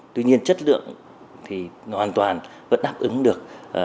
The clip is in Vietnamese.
tuy nhiên chất lượng thì nó hoàn toàn vẫn đáp ứng được